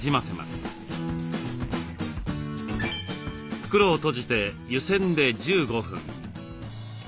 袋を閉じて湯せんで１５分。